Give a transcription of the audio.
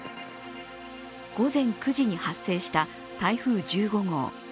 午前９時に発生した台風１５号。